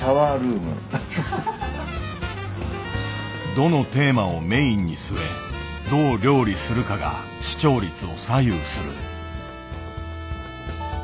どのテーマをメインに据えどう料理するかが視聴率を左右する。